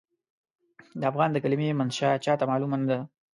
د افغان د کلمې منشا چاته معلومه نه ده.